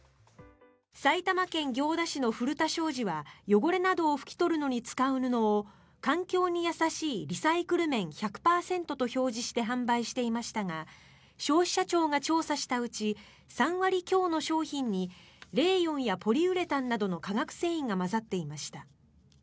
埼玉県行田市の古田商事は汚れなどを拭き取るのに使う布を環境に優しいリサイクル綿１００％と表示して販売していましたが消費者庁が調査したうち３割強の商品にレーヨンやポリウレタンなどの化学繊維が混ざっていました。